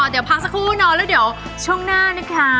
เดี๋ยวพักสักครู่นอนแล้วเดี๋ยวช่วงหน้านะคะ